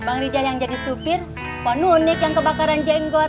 bang rijal yang jadi supir kok unik yang kebakaran jenggot